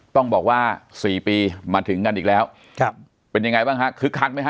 ต้องบอกว่าสี่ปีมาถึงกันอีกแล้วครับเป็นยังไงบ้างฮะคึกคักไหมฮ